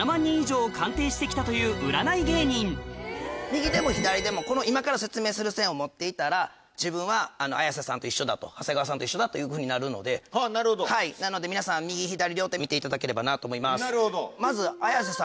右でも左でもこの今から説明する線を持っていたら自分は綾瀬さんと一緒だと長谷川さんと一緒だというふうになるのでなので皆さん右左両手見ていただければなと思います。